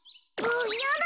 やだ！